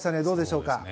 どうでしょうか。